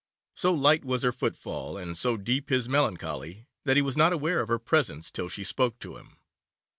So light was her footfall, and so deep his melancholy, that he was not aware of her presence till she spoke to him.